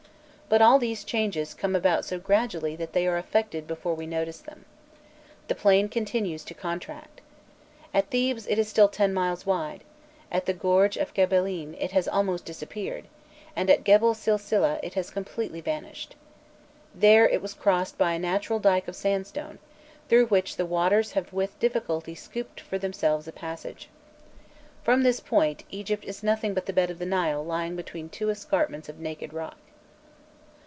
But all these changes come about so gradually that they are effected before we notice them. The plain continues to contract. At Thebes it is still ten miles wide; at the gorge of Gebelên it has almost disappeared, and at Gebel Silsileh it has completely vanished. There, it was crossed by a natural dyke of sandstone, through which the waters have with difficulty scooped for themselves a passage. From this point, Egypt is nothing but the bed of the Nile lying between two escarpments of naked rock.